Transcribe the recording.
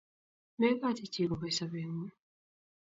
Megochi chi kobou sobeng'ung.